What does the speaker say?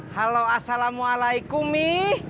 halo assalamualaikum mi